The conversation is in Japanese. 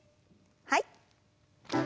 はい。